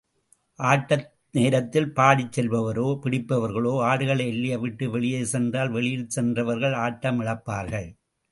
ஆட்ட நேரத்தில் பாடிச் செல்பவரோ, பிடிப்பவர்களோ ஆடுகள எல்லையை விட்டு வெளியே சென்றால், வெளியில் சென்றவர்கள் ஆட்டமிழப்பார்கள்.